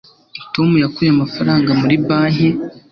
tom yakuye amafaranga muri banki